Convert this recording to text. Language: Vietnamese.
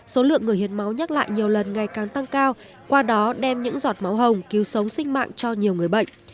số lượng người hiến máu nhắc lại nhiều lần ngày càng tăng cao qua đó đem những giọt máu hồng cứu sống sinh mạng cho nhiều người bệnh